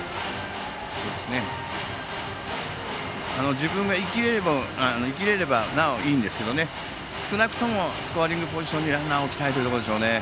自分も生きられればなおいいんですけど少なくともスコアリングポジションにランナーを置きたいところでしょうね。